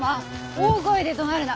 「大声でどなるな。